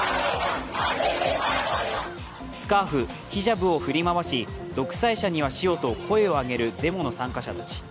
スカーフ＝ヒジャブを振り回し、独裁者には死をと声を上げるデモの参加者たち。